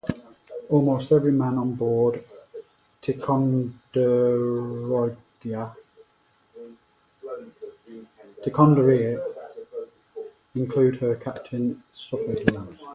Almost every man on board "Ticonderoga", including her captain, suffered wounds.